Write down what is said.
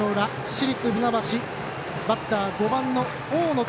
市立船橋、バッターは５番の大野。